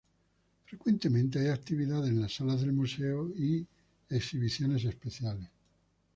Frecuentemente hay actividades en las salas del museo y exhibiciones especiales.